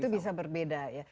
itu bisa berbeda ya